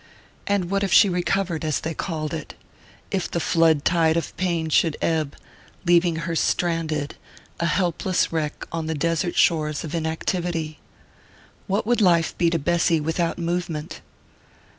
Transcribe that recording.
And what if she recovered, as they called it? If the flood tide of pain should ebb, leaving her stranded, a helpless wreck on the desert shores of inactivity? What would life be to Bessy without movement?